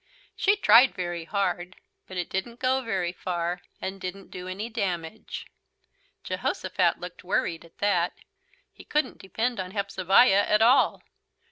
She tried very hard. But it didn't go very far and didn't do any damage. Jehosophat looked worried at that. He couldn't depend on Hepzebiah at all.